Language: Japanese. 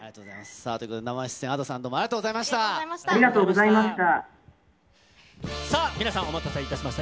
さあ、ということで、生出演、Ａｄｏさん、ありがとうございました。